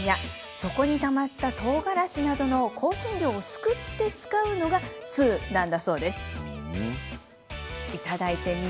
底にたまったとうがらしなどの香辛料をすくって使うのが通なんだとか。